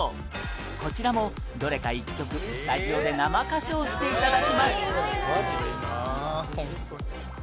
こちらも、どれか１曲スタジオで生歌唱していただきます